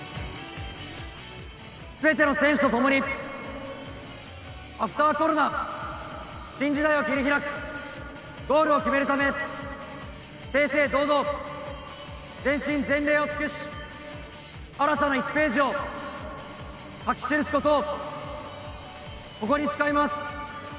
すべての選手と共に、アフターコロナ、新時代を切り開くゴールを決めるため、正々堂々、全身全霊を尽くし、新たな１ページを書き記すことをここに誓います。